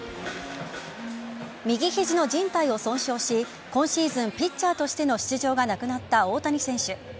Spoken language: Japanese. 右肘の靭帯を損傷し今シーズンピッチャーとしての出場がなくなった大谷選手。